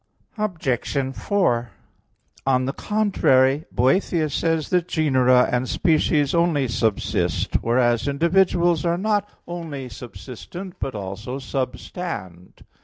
Obj. 4: On the contrary, Boethius says (De Duab. Nat.) that genera and species only subsist; whereas individuals are not only subsistent, but also substand.